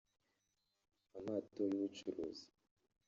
Amato y'ubucuruzi